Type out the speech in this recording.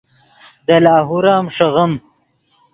دے لاہور ام ݰیغیم